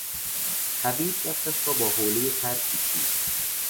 طبیب دستش را با حولهٔ تر پیچید.